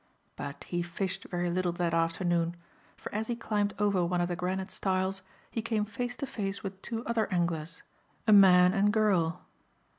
But he fished very little that afternoon for as he climbed over one of the granite stiles he came face to face with two other anglers, a man and girl.